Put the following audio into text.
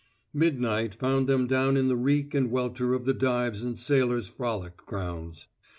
Midnight found them down in the reek and welter of the dives and sailors' frolic grounds.